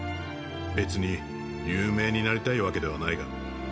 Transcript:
別に有名になりたいわけではないが